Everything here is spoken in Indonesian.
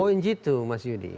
poin gitu mas yudi